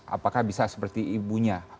apakah bisa seperti ibunya